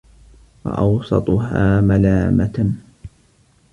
وَأَوْسَطُهَا مَلَامَةٌ